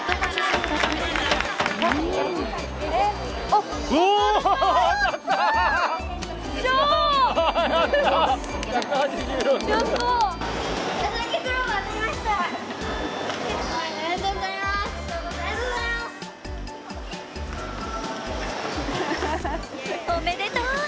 おめでとう！